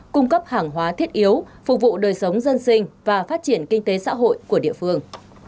cung cấp hàng hóa thiết yếu phục vụ đời sống dân sinh và phát triển kinh tế xã hội của địa phương